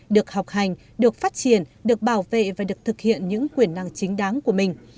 được học hành được phát triển được bảo vệ và được thực hiện những quyền năng chính đáng của mình